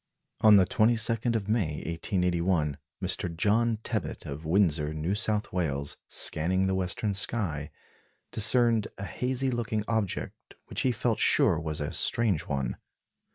On the 22nd of May, 1881, Mr. John Tebbutt of Windsor, New South Wales, scanning the western sky, discerned a hazy looking object which he felt sure was a strange one.